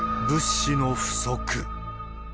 物資の不足。